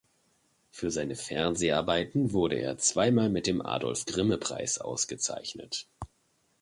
Für seine Fernseharbeiten wurde er zweimal mit dem Adolf-Grimme-Preis ausgezeichnet.